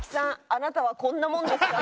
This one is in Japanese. あなたはこんなもんですか？」。